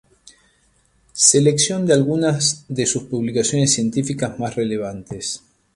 Selección de algunas de sus publicaciones científicas más relevantesː